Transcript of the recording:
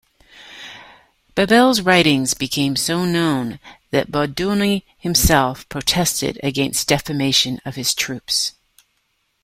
Babel's writings became so known that Budionny himself protested against "defamation" of his troops.